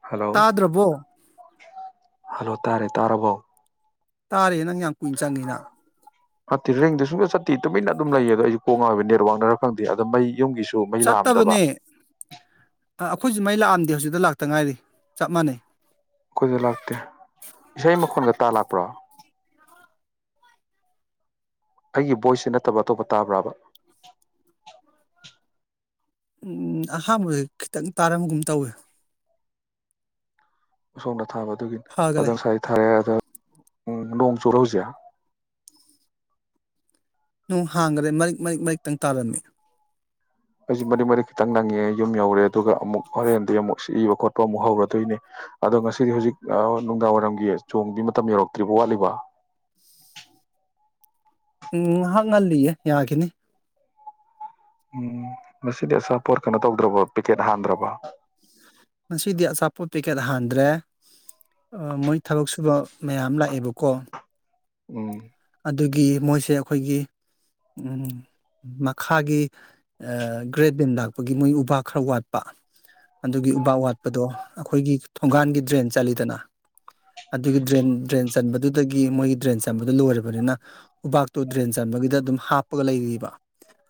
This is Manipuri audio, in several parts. ꯍꯜꯂꯣ ꯇꯥꯗ꯭ꯔꯕꯣ ꯍꯜꯂꯣ ꯇꯥꯔꯦ ꯇꯥꯔꯕꯣ ꯇꯥꯔꯦ ꯅꯪ ꯌꯥꯝ ꯀꯨꯏꯅ ꯆꯪꯉꯤꯅ ꯅꯠꯇꯤꯔꯦꯡꯗ ꯁꯨꯡꯗ ꯆꯠꯇꯤ ꯇꯨꯃꯤꯟꯅ ꯑꯗꯨꯝ ꯂꯩꯌꯦ ꯑꯗꯣ ꯑꯩꯁꯨ ꯀꯣꯡꯉꯛꯕ ꯅꯦꯠꯋꯥꯛꯅꯔ ꯈꯪꯗꯦ ꯑꯗ ꯃꯩ ꯌꯨꯝꯒꯤꯁꯨ ꯇꯨ ꯃꯩ ꯂꯥꯝꯗꯕ ꯑ ꯑꯩꯈꯣꯏꯁꯨ ꯃꯩ ꯂꯥꯛꯑꯝꯗꯦ ꯍꯧꯖꯤꯛꯇ ꯂꯥꯛꯇ ꯉꯥꯏꯔꯤ ꯆꯞ ꯃꯥꯟꯅꯩ ꯀꯈꯣꯏꯁꯨ ꯂꯥꯛꯇꯦ ꯏꯁꯩ ꯃꯈꯣꯟꯒ ꯇꯥ ꯂꯥꯛꯄ꯭ꯔꯣ ꯑꯩꯒꯤ ꯚꯣꯏꯁꯁꯦ ꯅꯠꯇꯕ ꯑꯇꯣꯞꯄ ꯇꯥꯕ꯭ꯔꯥꯕ ꯎꯝ ꯑꯍꯥꯟꯕꯁ ꯈꯤꯇꯪ ꯇꯥꯔꯝꯒꯨꯝ ꯇꯧꯋꯦ ꯁꯣꯝꯅꯥ ꯊꯥꯕ ꯑꯗꯨꯒꯤ ꯑꯗꯣ ꯐꯈꯔꯦ ꯉꯁꯥꯏ ꯊꯥꯔꯛꯑꯦ ꯑꯗ ꯎꯝ ꯗꯣꯁꯨꯣꯔꯥꯎꯖꯌꯥ ꯅꯨꯡ ꯍꯥꯡꯈꯔꯦ ꯃꯔꯤꯛ ꯃꯔꯤꯛ ꯃꯔꯤꯛꯇꯪ ꯇꯥꯔꯝꯃꯤ ꯑꯩꯁꯤ ꯃꯔꯤꯛ ꯃꯔꯤ ꯈꯤꯇꯪ ꯅꯪꯉꯦ ꯌꯨꯝ ꯌꯧꯔꯦ ꯑꯗꯨꯒ ꯑꯃꯨꯛ ꯍꯣꯔꯦꯟꯗꯒꯤꯩ ꯑꯃꯨꯛ ꯏꯕ ꯈꯣꯠꯄ ꯑꯃꯨꯛ ꯍꯧꯔꯗꯣꯏꯅꯦ ꯑꯗꯣ ꯉꯁꯤꯗꯤ ꯍꯧꯖꯤꯛ ꯅꯨꯡꯗꯥꯡ ꯋꯥꯏꯔꯝꯒꯤ ꯆꯣꯡꯗꯤ ꯃꯇꯝ ꯌꯧꯔꯛꯇ꯭ꯔꯤꯕ ꯋꯥꯠꯂꯤꯕ ꯎꯝ ꯉꯥꯏꯍꯥꯛ ꯉꯜꯂꯤꯌꯦ ꯌꯥꯈꯤꯅꯤ ꯎꯝ ꯃꯁꯤꯗꯤ ꯑꯆꯥꯥꯄꯣꯠ ꯀꯩꯅꯣ ꯇꯧꯗ꯭ꯔꯕ ꯄꯦꯛꯀꯦꯠ ꯍꯥꯟꯗ꯭ꯔꯕ ꯉꯗꯤ ꯑꯆꯥꯄꯣꯠ ꯄꯦꯀꯦꯠ ꯍꯥꯟꯗ꯭ꯔꯦ ꯃꯣꯏ ꯊꯕꯛ ꯁꯨꯕ ꯃꯌꯥꯝ ꯂꯥꯛꯑꯦꯕꯀꯣ ꯎꯝ ꯑꯗꯨꯒꯤ ꯃꯣꯏꯁꯦ ꯑꯩꯈꯣꯏꯒꯤ ꯃꯈꯥꯒꯤ ꯒ꯭ꯔꯦꯠ ꯕꯦꯟ ꯂꯥꯛꯄꯒꯤ ꯃꯣꯏ ꯎꯄꯥꯛ ꯈꯔ ꯋꯥꯠꯄ ꯑꯗꯨꯒꯤ ꯎꯄꯥꯛ ꯋꯥꯠꯄꯗꯣ ꯑꯩꯈꯣꯏꯒꯤ ꯊꯣꯡꯒꯥꯟꯒꯤ ꯗ꯭ꯔꯦꯟ ꯆꯜꯂꯤꯗꯅ ꯑꯗꯨꯒꯤ ꯗ꯭ꯔꯦꯟ ꯗ꯭ꯔꯦꯟ ꯆꯟꯕꯗꯨꯗꯒꯤ ꯃꯣꯏꯒꯤ ꯗ꯭ꯔꯦꯟ ꯆꯟꯕꯗꯣ ꯂꯣꯏꯦ ꯅꯤꯅ ꯎꯄꯥꯛꯇꯨ ꯗ꯭ꯔꯦꯟ ꯆꯟꯕꯒꯤꯗ ꯑꯗꯨꯝ ꯍꯥꯞꯄꯒ ꯂꯩꯔꯤꯕ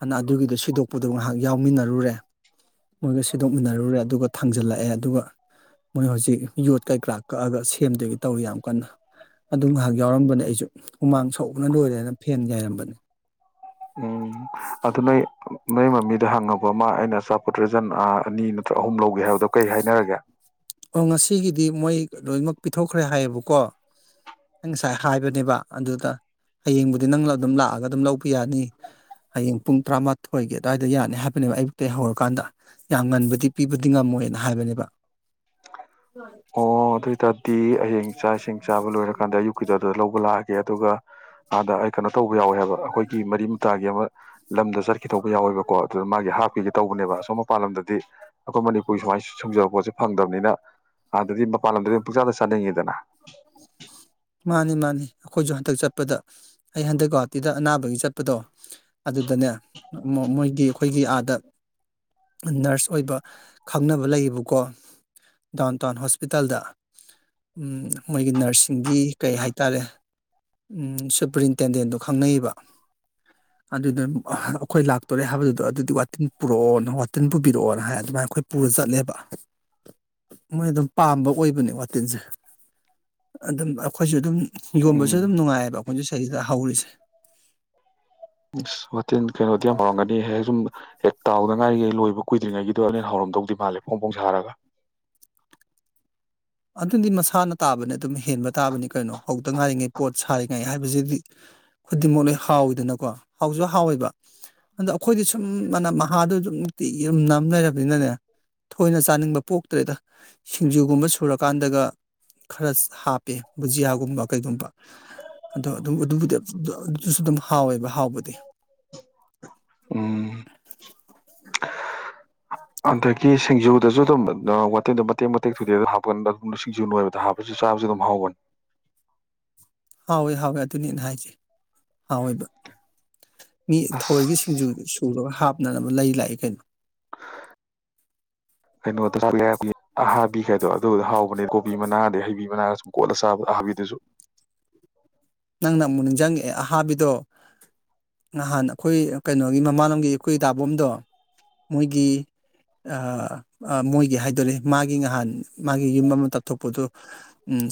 ꯑꯗꯨꯅ ꯑꯗꯨꯒꯤꯗꯣ ꯁꯤꯗꯣꯛꯄꯗꯣ ꯉꯥꯏꯍꯥꯛ ꯌꯥꯎꯃꯤꯟꯅꯔꯨꯔꯦ ꯃꯣꯏꯒ ꯁꯤꯗꯣꯛꯃꯤꯟꯅꯔꯨꯔꯦ ꯑꯗꯨꯒ ꯊꯥꯡꯖꯜꯂꯛꯑꯦ ꯑꯗꯨꯒ ꯃꯣꯏ ꯍꯧꯖꯤꯛ ꯌꯣꯠ ꯀꯩꯀꯔꯥ ꯀꯛꯑꯒ ꯁꯦꯝꯗꯣꯏꯒꯤ ꯇꯧꯏꯤ ꯌꯥꯝ ꯀꯟꯅ ꯑꯗꯨ ꯉꯥꯏꯍꯥꯛ ꯌꯥꯎꯔꯝꯕꯅꯦ ꯑꯩꯁꯨ ꯍꯨꯃꯥꯡ ꯁꯧꯕꯅ ꯂꯣꯏꯔꯦꯅ ꯐꯦꯟ ꯌꯥꯏꯔꯝꯕꯅꯤ ꯃꯩ ꯃꯃꯤꯗ ꯍꯪꯉꯕ ꯑꯃ ꯑꯩꯅ ꯑꯆꯥꯄꯣꯠ ꯗ꯭ꯔꯦꯖꯟ ꯑꯅꯤ ꯅꯠꯇ꯭ꯔ ꯑꯍꯨꯝ ꯂꯧꯒꯦ ꯍꯥꯏꯕꯗꯣ ꯀꯩ ꯍꯥꯏꯅꯔꯒꯦ ꯑꯣ ꯉꯁꯤꯒꯤꯗꯤ ꯃꯣꯏ ꯂꯣꯏꯅꯃꯛ ꯄꯤꯊꯣꯛꯈ꯭ꯔꯦ ꯍꯥꯏꯌꯦꯕꯀꯣ ꯑꯩ ꯉꯁꯥꯏ ꯍꯥꯏꯕꯅꯦꯕ ꯑꯗꯨꯗ ꯍꯌꯦꯡꯕꯨꯗꯤ ꯅꯪꯅ ꯑꯗꯨꯝ ꯂꯥꯛꯑꯒ ꯑꯗꯨꯝ ꯂꯧꯕ ꯌꯥꯅꯤ ꯍꯌꯦꯡ ꯄꯨꯡ ꯇꯔꯥꯃꯥꯊꯣꯏꯒꯤ ꯑꯗꯨ꯭ꯋꯥꯏꯗ ꯌꯥꯅꯤ ꯍꯥꯏꯕꯅꯦꯕ ꯑꯌꯨꯛꯇ ꯍꯧꯔꯀꯥꯟꯗ ꯌꯥꯝ ꯉꯟꯕꯗꯤ ꯄꯤꯕꯗꯤ ꯉꯝꯃꯣꯏꯅ ꯍꯥꯏꯕꯅꯦꯕ ꯑꯣ ꯑꯗꯨ ꯑꯣꯏꯇꯥꯔꯗꯤ ꯍꯌꯦꯡ ꯏ ꯆꯥꯛ ꯏꯁꯤꯡ ꯆꯥꯕ ꯂꯣꯏꯔꯀꯥꯟꯗ ꯑꯌꯨꯛꯀꯤꯗ ꯑꯗꯨꯗ ꯂꯧꯕ ꯂꯥꯛꯑꯒꯦ ꯑꯗꯨꯒ ꯑꯗ ꯑꯩꯀꯅ ꯇꯧꯕ ꯌꯥꯎꯋꯦ ꯍꯥꯏꯕ ꯑꯩꯈꯣꯏꯒꯤ ꯃꯔꯤ ꯃꯇꯥꯒꯤ ꯑꯃ ꯂꯝꯗ ꯆꯔ ꯈꯤꯗꯧꯕ ꯌꯥꯎꯋꯦꯕꯀꯣ ꯑꯗꯨꯅ ꯃꯥꯒꯤ ꯍꯥꯞꯀꯤ ꯇꯧꯕꯅꯦꯕ ꯑꯁꯣꯝ ꯃꯄꯥꯟ ꯂꯝꯗꯗꯤ ꯑꯩꯈꯣꯏ ꯃꯅꯤꯄꯨꯔ ꯁꯨꯃꯥꯏꯅ ꯁꯨꯡꯖꯕ ꯄꯣꯠꯁꯦ ꯐꯪꯗꯕꯅꯤꯅ ꯑꯗꯗꯤ ꯃꯄꯥꯟ ꯂꯝꯗꯗꯤ ꯄꯨꯛꯆꯥꯗ ꯆꯥꯅꯤꯡꯉꯤꯗꯅ ꯃꯥꯅꯤ ꯃꯥꯅꯤ ꯑꯩꯈꯣꯏꯁꯨ ꯍꯟꯗꯛ ꯆꯠꯄꯗ ꯑꯩ ꯍꯟꯗꯛ ꯒꯧꯍꯥꯇꯤꯗ ꯑꯅꯥꯕꯒꯤ ꯆꯠꯄꯗꯣ ꯑꯗꯨꯗꯅꯦ ꯃꯣꯏꯒꯤ ꯑꯩꯈꯣꯏꯒꯤ ꯑꯥꯗ ꯅꯔꯁ ꯑꯣꯏꯕ ꯈꯪꯅꯕ ꯂꯩꯌꯦꯕꯀꯣ ꯗꯥꯎꯟ ꯇꯥꯎꯟ ꯍꯣꯁꯄꯤꯇꯥꯜꯗ ꯃꯣꯏꯒꯤ ꯅꯔꯁꯁꯤꯡꯒꯤ ꯀꯩ ꯍꯥꯏꯇꯥꯔꯦ ꯁꯨꯄ꯭ꯔꯤꯟꯇꯦꯟꯗꯦꯟꯗꯣ ꯈꯪꯅꯩꯕ ꯑꯗꯨꯗ ꯑꯩꯈꯣꯏ ꯂꯥꯛꯇꯣꯔꯦ ꯍꯥꯏꯕꯗꯨꯗꯣ ꯑꯗꯨꯗꯤ ꯋꯥꯇꯤꯟ ꯄꯨꯔꯛꯑꯣꯅ ꯋꯥꯇꯤꯟ ꯄꯨꯕꯤꯔꯛꯑꯣꯅ ꯍꯥꯏ ꯑꯗꯨꯃꯥꯏꯅ ꯑꯩꯈꯣꯏ ꯄꯨꯔ ꯆꯠꯂꯦꯕ ꯃꯣꯏ ꯑꯗꯨꯝ ꯄꯥꯝꯕ ꯑꯣꯏꯕꯅꯦ ꯋꯥꯇꯤꯟꯁꯦ ꯑꯗꯨꯝ ꯑꯩꯈꯣꯏꯁꯨ ꯑꯗꯨꯝ ꯌꯣꯟꯕꯁꯨ ꯎꯝ ꯑꯗꯨꯝ ꯅꯨꯡꯉꯥꯏꯑꯕ ꯑꯩꯈꯣꯏꯁꯨ ꯆꯍꯤꯗ ꯍꯥꯎꯔꯤꯁ ꯑ ꯋꯥꯇꯦꯜ ꯀꯩꯅꯣꯗꯤ ꯌꯥꯝ ꯍꯧꯥꯎꯔꯝꯒꯅꯤ ꯍꯦꯛ ꯁꯨꯝ ꯍꯦꯛ ꯇꯥꯎꯗ ꯉꯥꯏꯔꯤꯉꯩ ꯂꯣꯏꯕ ꯀꯨꯏꯗ꯭ꯔꯤꯉꯩꯒꯤꯗꯣ ꯑꯅꯤ ꯍꯧꯥꯎꯔꯝꯗꯧꯗꯤ ꯃꯥꯜꯂꯦ ꯐꯣꯡ ꯐꯣꯡ ꯁꯥꯔꯒ ꯑꯗꯨꯗꯤ ꯃꯁꯥꯅ ꯇꯥꯕꯅꯦ ꯑꯗꯨꯝ ꯍꯦꯟꯕ ꯇꯥꯕꯅꯤ ꯀꯩꯅꯣ ꯍꯧꯗ ꯉꯥꯏꯔꯤꯉꯩ ꯄꯣꯠ ꯁꯥꯔꯤꯉꯩ ꯍꯥꯏꯕꯁꯤꯗꯤ ꯈꯨꯗꯤꯡꯃꯛ ꯂꯣꯏ ꯍꯥꯎꯋꯤꯗꯅꯀꯣ ꯍꯥꯎꯁꯨ ꯍꯥꯎꯋꯦꯕ ꯑꯗꯣ ꯑꯩꯈꯣꯏꯗꯤ ꯁꯨꯝ ꯃꯅꯝ ꯃꯍꯥꯗꯨꯣ ꯑꯗꯨꯝ ꯅꯨꯡꯇꯤ ꯏꯨꯝꯅ ꯂꯩꯔꯕꯅꯤꯅꯅꯦ ꯊꯣꯏꯅ ꯆꯥꯅꯤꯡꯕ ꯄꯣꯛꯇ꯭ꯔꯦꯗ ꯁꯤꯡꯖꯨꯒꯨꯝꯕ ꯁ ꯊꯨꯔꯀꯥꯟꯗꯒ ꯈꯔ ꯍꯥꯞꯄꯦ ꯕꯨꯖꯤꯌꯥꯒꯨꯝꯕ ꯀꯩꯒꯨꯝꯕ ꯑꯗꯣ ꯑꯗꯨꯝ ꯑꯗꯨꯕꯨꯗꯤ ꯑꯗꯨꯁꯨ ꯑꯗꯨꯝ ꯍꯥꯎꯋꯦꯕ ꯍꯥꯎꯕꯗꯤ ꯎꯝ ꯑꯗꯒꯤ ꯁꯤꯡꯖꯨꯗꯁꯨ ꯑꯗꯨꯝ ꯋꯥꯇꯤꯟꯗꯣ ꯃꯇꯦꯛ ꯃꯇꯦꯛ ꯊꯨꯗꯦ ꯑꯗꯨ ꯍꯥꯞꯀ ꯁꯤꯡꯖꯨ ꯅꯣꯏꯕꯗ ꯍꯥꯞꯄꯁꯨ ꯆꯥꯕꯁꯨ ꯑꯗꯨꯝ ꯍꯧꯒꯅꯤ ꯍꯥꯎꯋꯦ ꯍꯥꯎꯋꯦ ꯑꯗꯨꯅꯦꯅ ꯍꯥꯏꯁ ꯍꯥꯎꯋ°ꯕ ꯃꯤ ꯑꯁ ꯊꯋꯥꯏꯒꯤ ꯁꯤꯡꯖꯨ ꯁꯨꯔꯒ ꯍꯥꯞ ꯅꯅꯥꯅꯕ ꯂꯩ ꯂꯥꯛꯏ ꯀꯩꯅꯣ ꯀꯩꯅꯣꯗ ꯑꯍꯥꯕꯤ ꯈꯥꯏꯗꯣ ꯑꯗꯨꯗ ꯍꯥꯎꯕꯅꯦ ꯀꯣꯕꯤ ꯃꯅꯥꯒꯗꯤ ꯍꯩꯕꯤ ꯃꯅꯥꯒ ꯁꯨꯝ ꯀꯣꯠꯂ ꯆꯥꯕ ꯑꯍꯥꯕꯤꯗꯨꯁꯨ ꯅꯪꯅ ꯑꯃꯨꯛ ꯅꯤꯡꯁꯤꯡꯉꯦ ꯑꯍꯥꯕꯤꯗꯣ ꯉꯍꯥꯟ ꯑꯩꯈꯣꯏ ꯀꯩꯅꯣꯒꯤ ꯃꯃꯥꯟꯂꯣꯒꯤ ꯑꯩꯈꯣꯏ ꯗꯥꯕꯣꯝꯗꯣ ꯃꯣꯏꯒꯤ ꯃꯣꯏꯒꯤ ꯍꯥꯏꯗꯔꯦ ꯃꯥꯒꯤ ꯉꯍꯥꯟ ꯃꯥꯒꯤ ꯌꯨꯝ ꯑꯃ ꯇꯥꯞꯊꯣꯛꯄꯗꯣ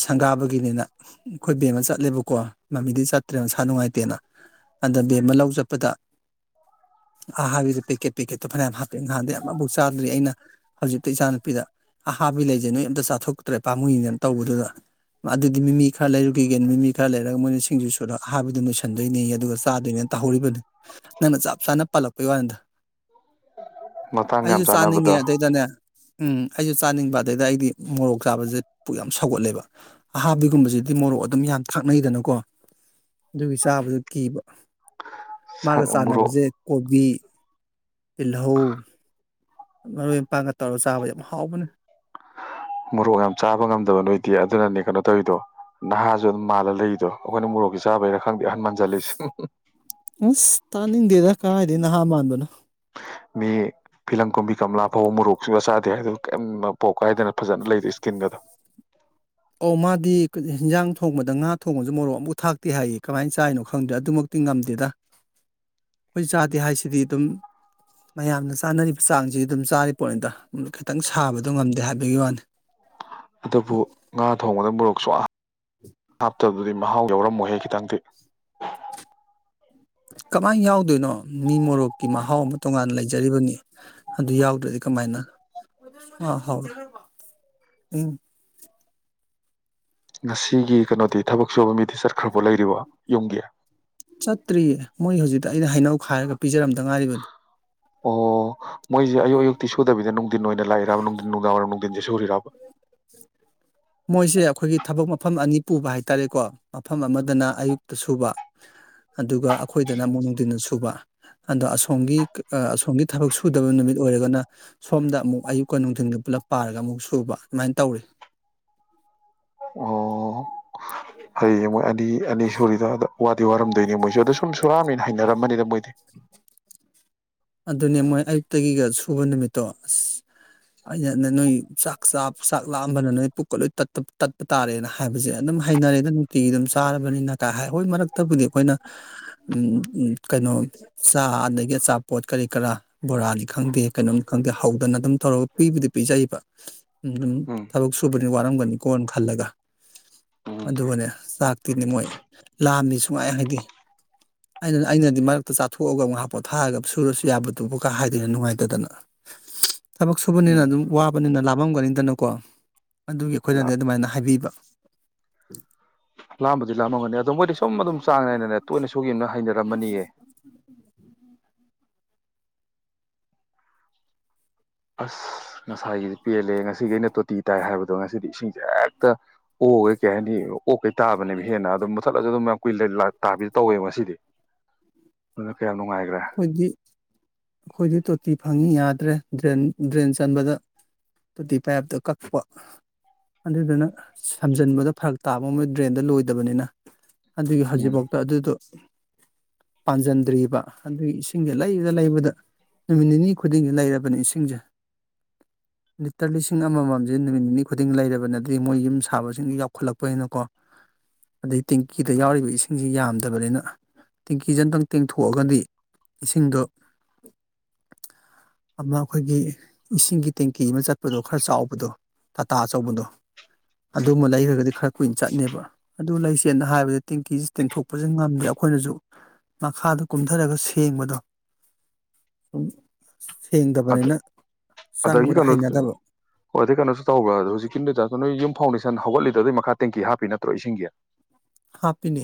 ꯁꯪꯒꯥꯕꯒꯤꯅꯤꯅ ꯑꯩꯈꯣꯏ ꯕꯦꯝꯃ ꯆꯠꯂꯦꯕꯀꯣ ꯃꯃꯤꯗꯤ ꯆꯠꯇ꯭ꯔꯦꯅ ꯃꯁꯥ ꯅꯨꯡꯉꯥꯏꯇꯦꯅ ꯑꯗ ꯕꯦꯝꯃ ꯑꯃ ꯂꯧ ꯆꯠꯄꯗ ꯑꯍꯥꯕꯤꯗ ꯄꯦꯛꯀꯦꯠ ꯄꯦꯛꯀꯦꯠꯇꯣ ꯐꯅꯌꯥꯝ ꯍꯥꯞꯄꯛꯑꯦ ꯉꯍꯥꯟꯗ ꯌꯥꯝ ꯑꯃꯨꯛ ꯆꯥꯗ꯭ꯔꯤ ꯑꯩꯅ ꯍꯧꯖꯤꯛꯇ ꯏꯆꯥꯅꯨꯄꯤꯗ ꯑꯍꯥꯕꯤ ꯂꯩꯖꯦ ꯅꯣꯏ ꯑꯝꯇ ꯆꯥꯊꯣꯛꯇ꯭ꯔꯦ ꯄꯥꯃꯨꯏꯅꯦꯅ ꯇꯧꯕꯗꯨꯗ ꯑꯗꯨꯗꯤ ꯃꯤꯃꯤ ꯈꯔ ꯂꯩꯔꯨꯈꯤꯒꯦꯅ ꯃꯤꯃꯤ ꯈꯔ ꯂꯩꯔꯨ ꯅꯤ ꯁꯤꯡꯖꯤ ꯁꯨꯗꯣꯏ ꯅꯤ ꯍꯥꯏꯕꯗꯨ ꯂꯣꯏꯁꯤꯟꯗꯣꯏꯅꯤ ꯑꯗꯨꯒ ꯆꯥꯗꯣꯏꯅꯦ ꯇꯧꯍꯧꯔꯤꯕꯅꯤ ꯅꯪꯅ ꯆꯞ ꯆꯥꯅ ꯄꯥꯜꯂꯛꯄꯩ ꯋꯥꯅꯤꯗ ꯃꯇꯥꯡ ꯌꯥꯝ ꯑꯩꯁꯨ ꯆꯥꯅꯕꯗꯣ ꯆꯥꯅꯤꯡꯉꯦ ꯑꯗꯩꯩꯗꯅꯦ ꯎꯝ ꯑꯩꯁꯨ ꯆꯥꯅꯤꯡꯕ ꯑꯗꯩꯗ ꯑꯩꯗꯤ ꯃꯣꯔꯣꯛ ꯆꯥꯕꯁꯦ ꯄꯨꯛ ꯌꯥꯝ ꯁꯧꯒꯠꯂꯦꯕ ꯑꯍꯥꯕꯤꯒꯨꯝꯕꯁꯤꯗꯤ ꯃꯣꯔꯣꯛ ꯑꯗꯨꯝ ꯌꯥꯝ ꯊ ꯉꯩꯗꯅꯀꯣ ꯑꯗꯨꯒꯤ ꯆꯥꯕꯗꯨ ꯀꯤꯕ ꯃꯥꯒ ꯃꯣꯔꯣꯛ ꯆꯥꯟꯅꯕꯁꯦ ꯀꯣꯕꯤ ꯇꯤꯜꯍꯧ ꯃꯔꯣꯏ ꯃꯄꯥꯡꯒ ꯇꯧꯔꯒ ꯆꯥꯕ ꯌꯥꯝ ꯍꯥꯎꯕꯅꯦ ꯃꯣꯔꯣꯛ ꯌꯥꯝ ꯆꯥꯕ ꯉꯝꯗꯕ ꯅꯣꯏꯗꯤ ꯑꯗꯨꯅꯅꯦ ꯀꯩꯅꯣ ꯇꯧꯋꯤꯗꯣ ꯅꯍꯥꯁꯨ ꯑꯗꯨꯝ ꯃꯥꯜꯂ ꯂꯩꯗꯣ ꯑꯩꯈꯣꯏꯅ ꯃꯣꯔꯣꯛꯁ ꯆꯥꯕꯩꯔꯥ ꯈꯪꯗꯦ ꯑꯍꯟ ꯃꯟꯖꯜꯂꯤꯁ ꯑꯁ ꯇꯥꯅꯤꯡꯗꯦꯗ ꯀꯥꯏꯗ ꯅꯍꯥ ꯃꯥꯟꯕꯅꯣ ꯃꯤ ꯐꯤꯂꯝ ꯀꯨꯝꯕꯤ ꯀꯃꯂꯥ ꯐꯥꯎ ꯃꯣꯔꯣꯛꯁꯤꯒ ꯆꯥꯗꯦ ꯍꯥꯏꯗ ꯀꯔꯤꯝ ꯄꯣꯛ ꯀꯥꯏꯗꯅ ꯐꯖꯅ ꯂꯩꯔꯤ ꯏꯁꯀꯤ꯭ꯔꯤꯟꯒꯗꯣ ꯑꯣ ꯃꯥꯗꯤ ꯍꯤꯟꯖꯥꯡ ꯊꯣꯡꯕꯗ ꯉꯥ ꯊꯣꯡꯕꯁꯨ ꯃꯣꯔꯣꯛ ꯑꯃꯨꯐꯛ ꯊꯥꯛꯇꯦ ꯍꯥꯏꯌꯦ ꯀꯃꯥꯏꯅ ꯆꯥꯏꯔꯤꯅꯣ ꯈꯪꯗ꯭ꯔꯦ ꯑꯗꯨꯃꯛꯇꯤ ꯉꯝꯗꯦꯗ ꯑꯩꯈꯣꯏ ꯆꯥꯗꯦ ꯍꯥꯏꯁꯤꯗꯤ ꯑꯗꯨꯝ ꯃꯌꯥꯝꯅ ꯆꯥꯅꯔꯤꯕ ꯆꯥꯡꯁꯤ ꯑꯗꯨꯝ ꯆꯥꯔꯤ ꯄꯣꯠꯅꯤꯗ ꯈꯤꯇꯪ ꯁꯥꯕꯗꯣ ꯉꯝꯗꯦ ꯍꯥꯏꯕꯒꯤ ꯋꯥꯅꯤ ꯑꯗꯨꯕꯨ ꯉꯥ ꯊꯣꯡꯕꯗ ꯃꯣꯔꯣꯛꯥ ꯍꯥꯞꯇ ꯑꯗꯨꯗꯤ ꯃꯍꯥꯎ ꯌꯥꯎꯔꯝꯃꯣꯏꯍꯦ ꯈꯤꯇꯪꯗꯤ ꯀꯃꯥꯏꯅ ꯌꯥꯎꯗꯣꯏꯅꯣ ꯃꯤ ꯃꯣꯔꯣꯛꯀꯤ ꯃꯍꯥꯎ ꯑꯃ ꯇꯣꯉꯥꯟꯅ ꯂꯩꯖꯔꯤꯕꯅꯤ ꯑꯗꯨ ꯌꯥꯎꯗ꯭ꯔꯗꯤ ꯀꯃꯥꯏꯅ ꯑꯥ ꯍꯥꯎ ꯎꯝ ꯉꯁꯤꯒꯤ ꯀꯩꯅꯣꯗꯤ ꯊꯕꯛ ꯁꯨꯕ ꯃꯤꯗꯤ ꯆꯠꯈ꯭ꯔꯕꯣ ꯂꯩꯔꯤꯕ ꯌꯨꯝꯒꯤ ꯆꯠꯇ꯭ꯔꯤꯌꯦ ꯃꯣꯏ ꯍꯧꯖꯤꯛꯇ ꯑꯩꯅ ꯍꯩꯅꯧ ꯈꯥꯏꯔꯒ ꯄꯤꯖꯔꯝꯗ ꯉꯥꯏꯔꯤꯕꯅꯤ ꯑꯣ ꯃꯣꯏꯁꯦ ꯑꯌꯨꯛ ꯑꯌꯨꯛꯇꯤ ꯁꯨꯗꯕꯤꯗ ꯅꯨꯡꯊꯤꯟ ꯑꯣꯏꯅ ꯂꯥꯛꯏꯔꯕ ꯅꯨꯡꯊꯤꯟ ꯅꯨꯡꯗꯥꯡ ꯋꯥꯏꯔꯝ ꯅꯨꯡꯊꯤꯟꯁꯦ ꯁꯨꯔꯤꯔꯕ ꯃꯣꯏꯁꯦ ꯑꯩꯈꯣꯏꯒꯤ ꯊꯕꯛ ꯃꯐꯝ ꯑꯅꯤ ꯄꯨꯕ ꯍꯥꯏꯇꯥꯔꯦꯀꯣ ꯃꯐꯝ ꯑꯃꯗꯅ ꯑꯌꯨꯛꯇ ꯁꯨꯕ ꯑꯗꯨꯒ ꯑꯩꯈꯣꯏꯗꯅ ꯑꯃꯛ ꯅꯨꯡꯗꯤꯅꯁꯨ ꯁꯨꯕ ꯑꯗꯣ ꯑꯁꯣꯝꯒꯤ ꯑꯁꯣꯝꯒꯤ ꯊꯕꯛ ꯁꯨꯗꯕ ꯅꯨꯃꯤꯠ ꯑꯣꯏꯔꯒꯅ ꯁꯣꯝꯗ ꯑꯃꯨꯛ ꯑꯌꯨꯛꯀ ꯅꯨꯡꯊꯤꯟꯒꯤ ꯄꯨꯂꯞ ꯄꯥꯔꯒ ꯑꯃꯨꯛ ꯁꯨꯕ ꯑꯗꯨꯃꯥꯏꯅ ꯇꯧꯔꯤ ꯑꯣ ꯍꯌꯦꯡ ꯃꯣꯏ ꯑꯅꯤ ꯑꯅꯤ ꯁꯨꯔꯤꯗ ꯑ ꯋꯥꯗꯤ ꯋꯥꯔꯝꯗꯣꯏꯅꯤ ꯃꯣꯏꯁꯨ ꯑꯗꯣ ꯁꯨꯝ ꯁꯨꯔꯥꯝꯃꯦꯅ ꯍꯥꯏꯅꯔꯝꯃꯅꯤꯅ ꯃꯣꯏꯗꯤ [unintelligible] ꯑꯗꯨꯅꯦ ꯃꯣꯏ ꯑꯌꯨꯛꯇꯒꯤꯒ ꯁꯨꯕ ꯅꯨꯃꯤꯠꯇꯣ ꯑꯁ ꯑꯩꯅ ꯅꯣꯏ ꯆꯥꯛ ꯆꯥꯛ ꯂꯥꯛꯑꯝꯕꯅ ꯅꯣꯏ ꯄꯨꯛꯀ ꯂꯣꯏ ꯇꯠꯄ ꯇꯥꯔꯦꯅ ꯍꯥꯏꯕꯁꯦ ꯑꯗꯨꯝ ꯍꯩꯅꯔꯦꯗ ꯅꯨꯡꯇꯤꯒꯤ ꯑꯗꯨꯝ ꯆꯥꯔꯕꯅꯤꯅ ꯀꯥꯏ ꯍꯥꯏ ꯍꯣꯏ ꯃꯔꯛꯇꯕꯨꯗꯤ ꯑꯩꯈꯣꯏꯅ ꯀꯩꯅꯣ ꯆꯥ ꯑꯗꯒꯤ ꯑꯆꯥ ꯄꯣꯠ ꯀꯔꯤ ꯀꯔꯥ ꯕꯣꯔꯥꯅꯤ ꯈꯪꯗꯦ ꯀꯩꯅꯣꯝꯅꯤ ꯈꯪꯗꯦ ꯍꯧꯗꯅ ꯑꯗꯨꯝ ꯇꯧꯔꯒ ꯄꯤꯕꯨꯗꯤ ꯄꯤꯖꯩꯕ ꯎꯝ ꯎꯝ ꯊꯕꯛ ꯁꯨꯕ ꯋꯥꯔꯝꯒꯅꯤꯀꯣꯅ ꯈꯜꯂꯒ ꯎꯝ ꯑꯗꯨꯒꯅꯦ ꯆꯥꯛꯇꯤꯅꯦ ꯃꯣꯏ ꯂꯥꯝꯅꯤ ꯁꯨꯡꯉꯥꯏ ꯍꯥꯏꯗꯤ ꯑꯩꯅ ꯑꯩꯅꯗꯤ ꯃꯔꯛꯇ ꯆꯥꯊꯣꯛꯑꯒ ꯑꯃꯨꯛ ꯍꯥꯄꯣꯠ ꯊꯥꯔꯒ ꯁꯨꯔꯁꯨ ꯌꯥꯕꯗꯨꯣꯕꯨꯀꯥ ꯍꯥꯏꯗꯣꯏꯅ ꯅꯨꯡꯉꯥꯏꯇꯗꯅ ꯊꯕꯛ ꯁꯨꯕꯅꯤꯅ ꯎꯝ ꯑꯗꯨꯝ ꯋꯥꯕꯅꯤꯅ ꯂꯄ ꯇꯃꯝꯒꯅꯤꯗꯅꯨꯀꯣ ꯑꯗꯨꯒꯤ ꯑꯩꯈꯣꯏꯅꯗꯤ ꯑꯗꯨꯃꯥꯏꯅ ꯍꯥꯏꯕꯤꯕ ꯎꯝ ꯂꯝꯕꯗꯤ ꯂꯃꯒꯅꯤ ꯑ ꯃꯣꯏꯗꯤ ꯁꯨꯝ ꯑꯗꯨꯝ ꯆꯥꯡ ꯅꯥꯏꯅꯅꯦ ꯇꯣꯏꯅ ꯁꯨꯒꯤꯅ ꯍꯩꯅꯔꯝꯃꯅꯤꯌꯦ ꯑꯁ ꯉꯁꯥꯏꯒꯤꯗꯤ ꯄꯦꯜꯂꯦ ꯉꯁꯤꯒꯤ ꯑꯩꯅ ꯇꯣꯇꯤ ꯇꯥꯏ ꯍꯥꯏꯕꯗꯣ ꯉꯁꯤꯗꯤ ꯏꯁꯤꯡꯁꯦ ꯍꯦꯛꯇ ꯑꯣꯛꯈꯩ ꯀꯩ ꯍꯥꯏꯅꯤ ꯑꯣꯛꯀꯩ ꯇꯥꯕꯅꯦꯕ ꯍꯦꯟꯅ ꯑꯗꯨꯝ ꯃꯨꯊꯠꯂꯁꯨ ꯑꯗꯨꯝ ꯀꯨꯏ ꯇꯥꯕꯤꯗ ꯇꯧꯋꯦꯕ ꯉꯁꯤꯗꯤ ꯑꯗꯨꯅ ꯀꯅꯣ ꯑꯩꯈꯣꯏꯗꯤ ꯑꯩꯈꯣꯏꯗꯤ ꯇꯣꯇꯤ ꯐꯪꯏꯤ ꯌꯥꯗ꯭ꯔꯦ ꯗ꯭ꯔꯦꯟ ꯗ꯭ꯔꯦꯟ ꯆꯟꯕꯗ ꯇꯣꯇꯤ ꯄꯥꯏꯞꯇ ꯀꯛꯄ ꯑꯗꯨꯗꯨꯅ ꯁꯝꯖꯟꯕꯗ ꯐꯔꯛ ꯇꯥꯕ ꯑꯃ ꯗ꯭ꯔꯦꯟꯗ ꯂꯣꯏꯗꯕꯅꯤꯅ ꯑꯗꯨꯒꯤ ꯎꯝ ꯍꯧꯖꯤꯛꯐꯥꯎꯗ ꯑꯗꯨꯗꯣ ꯄꯥꯟꯁꯤꯟꯗ꯭ꯔꯤꯕ ꯑꯗꯨꯒꯤ ꯏꯁꯤꯡꯁꯦ ꯂꯩꯕꯗ ꯂꯩꯕꯗ ꯅꯨꯃꯤꯠ ꯅꯤꯅꯤ ꯈꯨꯗꯤꯡꯒꯤ ꯂꯩꯔꯕꯅꯤ ꯏꯁꯤꯡꯁꯦ ꯂꯤꯇꯔ ꯂꯤꯁꯤꯡ ꯑꯃꯃꯝꯁꯦ ꯅꯨꯃꯤꯠ ꯅꯤꯅꯤ ꯈꯨꯗꯤꯡ ꯂꯩꯔꯕ ꯅꯗꯤ ꯃꯣꯏ ꯌꯨꯝ ꯁꯥꯕꯁꯤꯡ ꯌꯥꯎꯈꯠꯂꯛꯄꯅꯤꯅꯀꯣ ꯑꯗꯩ ꯇꯦꯡꯀꯤꯗ ꯌꯥꯎꯔꯤꯕ ꯏꯁꯤꯡꯁꯤ ꯌꯥꯝꯗꯕꯅꯤꯅ ꯇꯦꯡꯀꯤꯁꯦ ꯑꯝꯇꯪ ꯇꯦꯡꯊꯣꯛꯑꯒꯗꯤ ꯏꯁꯤꯡꯗꯣ ꯑꯃ ꯑꯩꯈꯣꯏꯒꯤ ꯏꯁꯤꯡꯒꯤ ꯇꯦꯡꯀꯤ ꯑꯃ ꯆꯠꯄꯗꯣ ꯈꯔ ꯆꯥꯎꯕꯗꯣ ꯇꯥꯇꯥ ꯑꯆꯧꯕꯗꯣ ꯑꯗꯨꯝꯕ ꯂꯩꯈ꯭ꯔꯒꯗꯤ ꯈꯔ ꯀꯨꯏꯅ ꯆꯠꯅꯦꯕ ꯑꯗꯨ ꯂꯩꯁꯦꯅ ꯍꯥꯏꯕꯗ ꯇꯦꯡꯀꯤꯁꯤ ꯇꯦꯡꯊꯣꯛꯄꯁꯦ ꯉꯝꯗꯦ ꯑꯩꯈꯣꯏꯅꯁꯨ ꯃꯈꯥꯗ ꯀꯨꯝꯊꯔꯒ ꯊꯦꯡ ꯕꯗꯣ ꯑꯗꯒꯤ ꯆꯪꯕꯗ ꯀꯩꯅꯣ ꯍꯩꯅꯗꯕ ꯍꯣꯏ ꯑꯗꯨꯩ ꯀꯩꯅꯣꯁꯨ ꯇꯧꯕ꯭ꯔꯥ ꯑꯗꯣ ꯍꯧꯖꯤꯛꯀꯤꯗ ꯅꯣꯏ ꯌꯨꯝ ꯐꯥꯎꯟꯗꯦꯁꯟ ꯍꯧꯒꯠꯂꯤ ꯑꯗꯨꯩ ꯃꯈꯥ ꯇꯦꯡꯀꯤ ꯍꯥꯞꯄꯤ ꯅꯠꯇ꯭ꯔꯣ ꯏꯁꯤꯡꯒꯤ ꯍꯥꯞꯄꯤꯅꯤ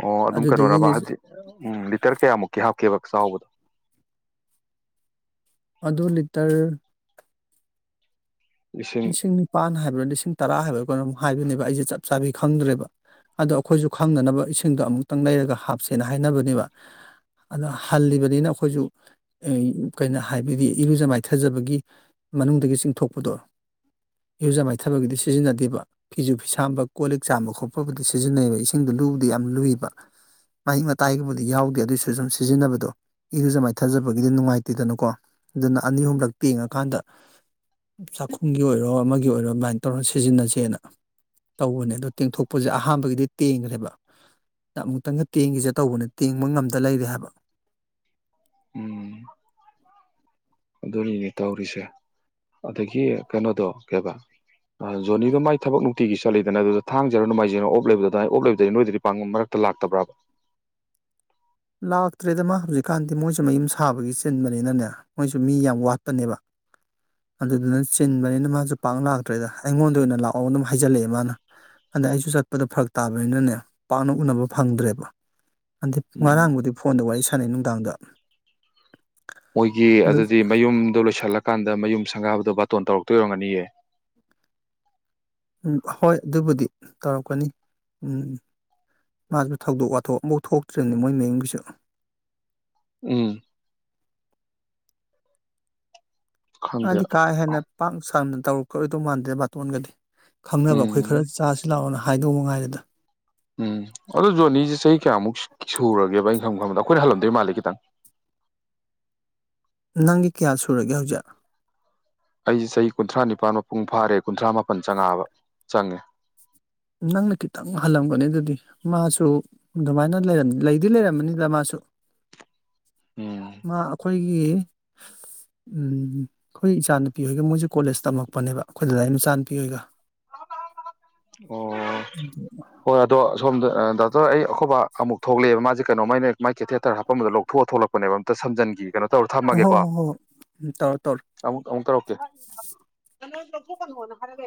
ꯑꯣ ꯑꯗꯨꯝ ꯑꯗꯨꯗꯒꯤꯅꯤ ꯀꯩꯅꯣꯔꯕ ꯍꯧꯖꯤ ꯎꯝ ꯂꯤꯇꯔ ꯀꯌꯥꯃꯨꯛꯀꯤ ꯍꯥꯞ ꯀꯕꯛ ꯁꯥ ꯍꯣ ꯑꯗꯨ ꯂꯤꯇꯔ ꯂꯤꯁꯤꯡ ꯂꯤꯅꯤꯁꯤꯡꯅꯤ ꯄꯥꯟ ꯍꯥꯔ ꯂꯤꯁꯤꯡ ꯇꯔꯥ ꯍꯥꯏꯕꯒꯅ ꯑꯃꯨꯛ ꯍꯥꯏꯕꯅꯦꯕ ꯑꯩꯁꯦ ꯆꯞ ꯆꯥꯕꯤ ꯈꯪꯗ꯭ꯔꯦꯕ ꯑꯗꯣ ꯑꯩꯈꯣꯏꯁꯨ ꯈꯪꯅꯅꯕ ꯏꯁꯤꯡꯗꯣ ꯑꯃꯨꯛꯇꯪ ꯂꯩꯔꯒ ꯍꯥꯞꯁꯦꯅ ꯍꯥꯏꯅꯕꯅꯦꯕ ꯑꯗꯣ ꯍꯜꯂꯤꯕꯅꯤꯅ ꯑꯩꯈꯣꯏꯁꯨ ꯀꯩꯅꯣ ꯍꯥꯏꯕꯗꯤ ꯏꯔꯨꯖ ꯃꯥꯏꯊꯖꯕꯒꯤ ꯃꯅꯨꯡꯗꯒꯤ ꯆꯤꯡꯊꯣꯛꯄꯗꯣ ꯏꯔꯨꯖ ꯃꯥꯏꯊꯕꯒꯤꯗꯤ ꯁꯤꯖꯤꯟꯅꯗꯦꯕ ꯐꯤꯁꯨ ꯐꯤꯁꯥꯝꯕ ꯀꯣꯜ ꯂꯤꯛ ꯆꯥꯝꯕ ꯈꯣꯠꯄꯕꯨꯗꯤ ꯁꯤꯖꯤꯟꯅꯩꯕ ꯏꯁꯤꯡꯗ ꯂꯨꯕꯗꯤ ꯌꯥꯝ ꯂꯨꯏꯕ ꯃꯍꯤꯛ ꯃꯇꯥꯏꯒꯨꯝꯕꯗꯤ ꯌꯥꯎꯗꯦ ꯑꯗꯨꯏꯁꯨ ꯁꯨꯝ ꯁꯤꯖꯤꯟꯅꯕꯗꯣ ꯏꯔꯨꯖ ꯃꯥꯏꯊꯖꯕꯒꯤꯗꯤ ꯅꯨꯡꯉꯥꯏꯇꯦꯗꯅꯀꯣ ꯑꯗꯨꯅ ꯑꯅꯤ ꯑꯍꯨꯝꯂꯛ ꯇꯦꯡꯉꯀꯥꯟꯗ ꯄꯨꯡꯒꯤ ꯑꯣꯏꯔꯣ ꯑꯃꯒꯤ ꯑꯣꯏꯔꯣ ꯑꯗꯨꯃꯥꯏꯅ ꯇꯧꯔ ꯁꯤꯖꯤꯟꯅꯁꯦꯅ ꯇꯧꯕꯅꯦ ꯑꯗꯣ ꯇꯦꯡꯊꯣꯛꯄꯁꯦ ꯑꯍꯥꯟꯕꯒꯤꯗꯤ ꯇꯦꯡꯈ꯭ꯔꯦꯕ ꯑꯃꯨꯛꯇꯪꯒ ꯇꯦꯡꯈꯤꯁꯦ ꯇꯧꯕꯅꯦ ꯇꯦꯡꯕ ꯉꯝꯗ ꯂꯩꯔꯦ ꯍꯥꯏꯕ ꯎꯝ ꯑꯗꯨꯅꯤꯅꯦ ꯇꯧꯔꯤꯁꯦ ꯑꯗꯒꯤ ꯀꯩꯅꯣꯗꯣ ꯀꯩꯕ ꯖꯣꯅꯤꯗꯣ ꯃꯥꯏ ꯊꯕꯛ ꯅꯨꯡꯇꯤꯒꯤ ꯆꯠꯂꯤꯗꯅ ꯑꯗꯨꯗ ꯊꯥꯡꯖꯔ ꯅꯣꯡꯃꯥꯏꯖꯔ ꯑꯣꯞ ꯂꯩꯕꯗꯨ ꯑꯗꯨ ꯑꯣꯞ ꯂꯩꯕꯗ ꯅꯣꯏꯗꯗꯤ ꯄꯥꯡꯉ ꯃꯔꯛꯇ ꯂꯥꯛꯇꯕ꯭ꯔꯥꯕ ꯂꯥꯛꯇ꯭ꯔꯦꯗ ꯃꯥ ꯍꯧꯖꯤꯛꯀꯥꯟꯗꯤ ꯃꯣꯏꯁꯨ ꯃꯌꯨꯝ ꯁꯥꯕꯒꯤ ꯆꯤꯟꯕꯅꯤꯅꯅꯦ ꯃꯣꯏꯁꯨ ꯃꯤ ꯌꯥꯝ ꯋꯥꯠꯄꯅꯦꯕ ꯑꯗꯨꯗꯨꯅ ꯆꯤꯟꯕꯅꯤꯅ ꯃꯥꯁꯨ ꯄꯥꯛꯅ ꯂꯥꯛꯇ꯭ꯔꯦꯗ ꯑꯩꯉꯣꯟꯗ ꯑꯣꯏꯅ ꯂꯥꯛꯑꯣ ꯑꯗꯨꯝ ꯍꯥꯏꯖꯤꯜꯂꯛꯑꯦ ꯃꯥꯅ ꯑꯗ ꯑꯩꯁꯨ ꯆꯠꯄꯗꯣ ꯐꯔꯛ ꯇꯥꯕꯅꯤꯅꯅꯦ ꯄꯥꯛꯅ ꯎꯅꯕ ꯐꯪꯗ꯭ꯔꯦꯕ ꯉꯔꯥꯡꯕꯨꯗꯤ ꯐꯣꯟꯗ ꯋꯥꯔꯤ ꯁꯥꯟꯅꯩ ꯅꯨꯡꯗꯥꯡꯗ ꯃꯣꯏꯒꯤ ꯑꯗꯨ ꯑꯗꯨꯗꯤ ꯃꯌꯨꯝꯗꯨꯣ ꯂꯣꯏꯁꯤꯜꯂ ꯀꯥꯟꯗ ꯃꯌꯨꯝ ꯁꯪꯒꯥꯕꯗꯣ ꯕꯥꯇꯣꯟ ꯇꯧꯔꯛꯇꯣꯏꯔꯝꯒꯅꯤꯌꯦ ꯎꯝ ꯑ ꯍꯣꯏ ꯑꯗꯨꯕꯨꯗꯤ ꯇꯧꯔꯛꯀꯅꯤ ꯎꯝ ꯃꯥꯁꯨ ꯊꯧꯗꯣꯛ ꯋꯥꯊꯣꯛ ꯑꯃꯐꯧ ꯊꯣꯛꯇ꯭ꯔꯤꯕꯅꯤ ꯃꯣꯏ ꯃꯌꯨꯝꯒꯤꯁꯨ ꯎꯝ ꯈꯪꯗꯦ ꯍꯥꯏꯗꯤ ꯀꯥ ꯍꯦꯟꯅ ꯄꯥꯛ ꯁꯪꯅ ꯇꯧꯔꯛ ꯀꯈꯣꯏ ꯇꯨ ꯃꯥꯥꯟꯗꯦꯕꯥꯇꯃꯟ ꯀꯗꯤ ꯈꯪꯅꯕ ꯑꯩꯈꯣꯏ ꯎꯝ ꯈꯔ ꯆꯥꯁꯤ ꯂꯥꯛꯑꯣꯅ ꯍꯥꯏꯗꯣ ꯃꯉꯥꯏꯔꯦꯗ ꯎꯝ ꯑꯗꯨ ꯖꯣꯅꯤꯁꯦ ꯆꯍꯤ ꯀꯌꯥ ꯑꯃꯨꯛ ꯁꯨ ꯁꯨꯔꯒꯦꯕ ꯑꯩꯅ ꯈꯪꯈꯟꯕꯗ ꯑꯩꯈꯣꯏꯅ ꯍꯜꯂꯝꯗꯣꯏ ꯃꯥꯜꯂꯦ ꯈꯤꯇꯪ ꯅꯪꯒꯤ ꯀꯌꯥ ꯁꯨꯔꯒꯦ ꯍꯧꯖꯤꯛ ꯑꯩ ꯆꯍꯤ ꯀꯨꯟꯊ꯭ꯔꯥ ꯅꯤꯄꯥꯜ ꯃꯄꯨꯡ ꯐꯥꯔꯦ ꯀꯨꯟꯊ꯭ꯔꯥ ꯃꯥꯄꯜ ꯆꯪꯉꯥꯕ ꯆꯪꯉꯦ ꯅꯪꯅ ꯈꯤꯇꯪ ꯍꯜꯂꯝꯒꯅꯤ ꯑꯗꯨꯗꯤ ꯃꯥꯁꯨ ꯑꯗꯨꯃꯥꯏꯅ ꯂꯩꯔꯝ ꯂꯩꯗꯤ ꯂꯩꯔꯝꯃꯅꯤꯗ ꯃꯥꯁꯨ ꯎꯝ ꯃꯥ ꯑꯈꯣ ꯑꯩꯈꯣꯏꯒꯤ ꯎꯝ ꯑꯩꯈꯣꯏ ꯏꯆꯥ ꯅꯨꯨꯄꯤ ꯍꯣꯏꯒ ꯃꯣꯏꯖꯤ ꯀꯣꯂꯦꯖ ꯇꯝꯃꯛꯄꯅꯦꯕ ꯑꯩꯈꯣꯏ ꯗꯗꯥꯏ ꯃꯆꯥ ꯅꯨꯨꯄꯤ ꯍꯣꯏꯒ ꯑꯣ ꯑꯟꯏꯟꯇꯦꯜꯂꯤꯖꯤꯕꯜ ꯍꯣꯏ ꯑꯗꯣ ꯁꯣꯝꯗ ꯑ ꯗꯥꯎꯇꯣꯔ ꯑꯩ ꯑꯈꯣꯕ ꯑꯃꯨꯛ ꯊꯣꯛꯂꯑꯦꯕ ꯃꯥꯁꯦ ꯀꯩꯅꯣꯥꯝꯃ ꯑꯩꯅ ꯃꯥꯏ ꯀꯦꯊꯦꯇꯔ ꯍꯥꯄꯝꯕꯗꯣ ꯂꯧꯊꯣꯛꯑ ꯊꯣꯛꯂꯛꯄꯅꯦꯕ ꯑꯝꯇ ꯁꯝꯖꯟꯒꯤꯒꯦ ꯀꯩꯅꯣ ꯇꯧꯔ ꯑꯣ ꯍꯣ ꯊꯝꯃꯒꯦꯀꯣ ꯍꯣ ꯍꯣ ꯎꯝ ꯇꯧꯔꯣ ꯇꯧꯔꯣ ꯑꯃꯨꯛ ꯑꯃꯨꯛ ꯇꯧꯔꯛꯀꯦ ꯀꯅꯣ ꯂꯧꯊꯣꯛꯀꯅꯣꯅ ꯍꯥꯏꯔꯒ